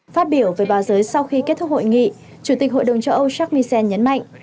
phát biểu về bà giới sau khi kết thúc hội nghị chủ tịch hội đồng châu âu jacques michel nhấn mạnh